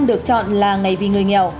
được chọn là ngày vì người nghèo